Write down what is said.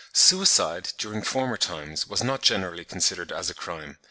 Suicide during former times was not generally considered as a crime (33.